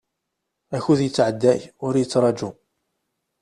Akud yettɛedday ur yettraju.